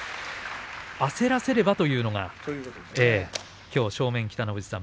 焦らせればというのがきょう正面、北の富士さん